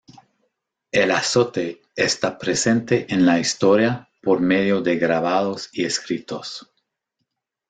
El azote está presente en la historia por medio de grabados y escritos.